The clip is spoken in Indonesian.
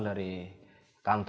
dunia itu benar